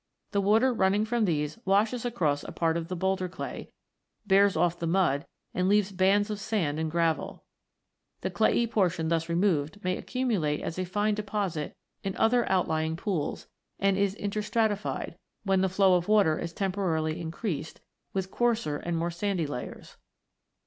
The water running from these washes across a part of the boulder clay, bears off the mud, and leaves bands of sand and gravel. The clayey portion thus removed may accumulate as a fine deposit in other outlying iv] CLAYS, SHALES, AND SLATES 101 pools, and is interstratified, when the flow of water is temporarily increased, with coarser and more sandy layers.